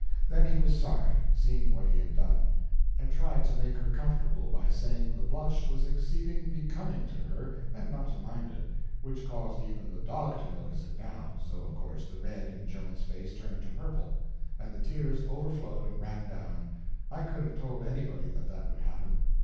Then he was sorry, seeing what he had done, and tried to make her comfortable by saying the blush was exceeding becoming to her and not to mind it—which caused even the dog to notice it now, so of course the red in Joan's face turned to purple, and the tears overflowed and ran down—I could have told anybody that that would happen.